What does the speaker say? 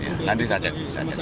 oh yang untuk rawat inap kan